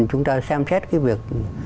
chúng ta xem xét cái việc